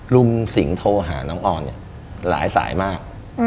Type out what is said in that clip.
ลุงสิงห์โทรหาน้องออนเนี่ยหลายสายมาก